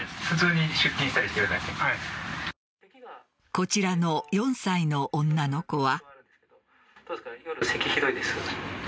こちらの４歳の女の子は。